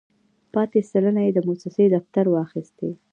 پاتې سلنه یې د موسسې دفتر واخیستې.